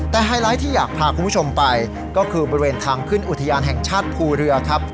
แต่ไฮไลท์ที่อยากพาคุณผู้ชมไปก็คือบริเวณทางขึ้นอุทยานแห่งชาติภูเรือครับ